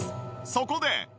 そこで。